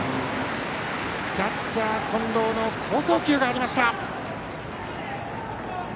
キャッチャー近藤の好送球がありました。